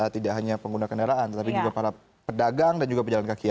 tidak hanya pengguna kendaraan tetapi juga para pedagang dan juga pejalan kaki